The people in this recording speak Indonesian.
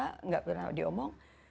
tidak pernah diomong